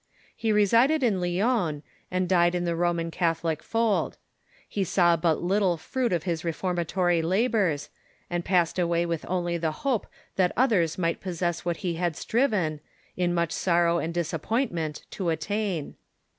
He resided in Lyons, and died in the Roman Catholic fold. He saw but little fruit of his reformatory labors, and passed away with only the hope that others might possess what he had striven, in much sorrow and disappointment, to attain.